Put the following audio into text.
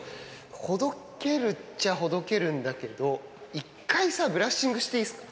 ほどけるっちゃほどけるんだけど、一回さ、ブラッシングしていいですか。